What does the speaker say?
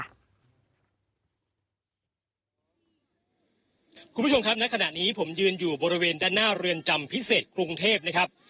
คุณผู้ชมครับณขณะนี้ผมยืนอยู่บริเวณด้านหน้าเรือนจำพิเศษกรุงเทพนะครับ